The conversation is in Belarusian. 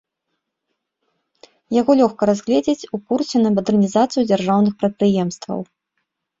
Яго лёгка разглядзець у курсе на мадэрнізацыю дзяржаўных прадпрыемстваў.